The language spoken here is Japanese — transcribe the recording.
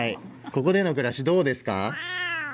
ここでの暮らしどうですか？